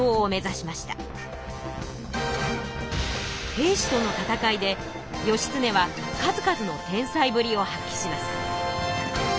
平氏との戦いで義経は数々の天才ぶりを発揮します。